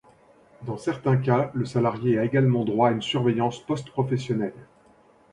Dans certains cas le salarié a également droit à une surveillance post-professionnelle.